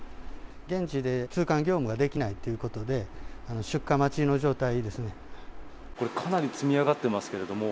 現地で通関業務ができないということで、これ、かなり積み上がってますけれども？